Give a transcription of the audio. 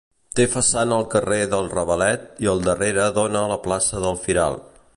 Té façana al carrer del Ravalet i el darrere dóna a la plaça del Firal.